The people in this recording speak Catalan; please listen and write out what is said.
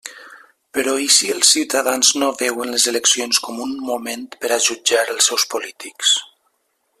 Però ¿i si els ciutadans no veuen les eleccions com un moment per a jutjar els seus polítics?